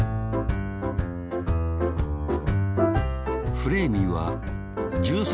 フレーミーは１３